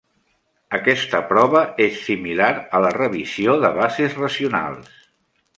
Aquesta prova és similar a la revisió de bases racionals.